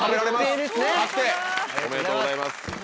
おめでとうございます。